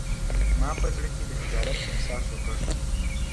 ما په زړه کې د خجالت احساس وکړ